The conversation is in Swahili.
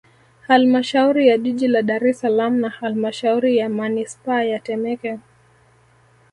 Halmashauri ya Jiji la Dar es Salaam na Halmashauri ya Manispaa ya Temeke